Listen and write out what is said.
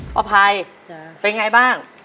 ป้าพายเป็นไงบ้าง